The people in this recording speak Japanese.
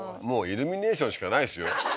もうイルミネーションしかないですよ